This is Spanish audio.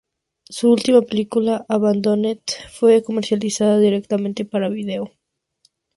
Su última película, "Abandoned", fue comercializada directamente para vídeo.